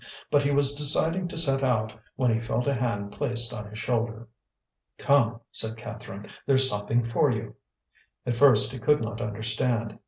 But he was deciding to set out, when he felt a hand placed on his shoulder. "Come," said Catherine; "there's something for you." At first he could not understand.